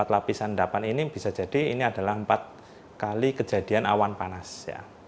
empat lapisan endapan ini bisa jadi ini adalah empat kali kejadian awan panas